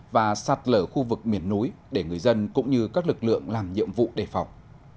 và sạt lở khu vực miền núi để người dân cũng như các lực lượng làm nhiệm vụ đề phòng